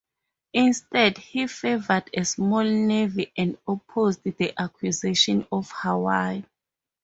Instead, he favored a small navy and opposed the acquisition of Hawaii.